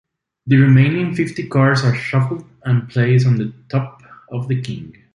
The remaining fifty cards are shuffled and placed on the top of the King.